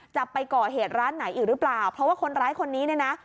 จะไปก่อเหตุร้านไหนอีกหรือเปล่าเพราะว่าคนร้ายคนนี้เนี่ยนะ